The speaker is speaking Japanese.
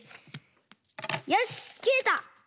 よしきれた！